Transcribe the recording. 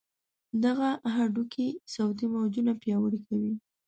دغه هډوکي صوتي موجونه پیاوړي کوي.